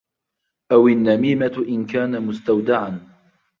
أَوْ النَّمِيمَةُ إنْ كَانَ مُسْتَوْدَعًا